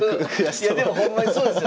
いやでもほんまにそうですよ。